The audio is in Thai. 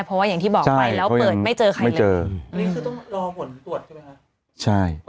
เพราะว่าอย่างที่บอกไปแล้วเปิดไม่เจอใครเลยอันนี้คือต้องรอผลตรวจใช่ไหมคะใช่